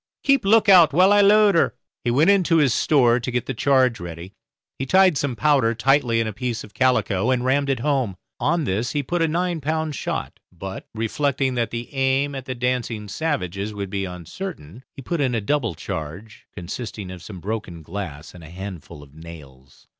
Keep a look out while I load her." He went into his store to get the charge ready. He tied some powder tightly in a piece of calico and rammed it home. On this he put a nine pound shot; but, reflecting that the aim at the dancing savages would be uncertain, he put in a double charge, consisting of some broken glass and a handful of nails.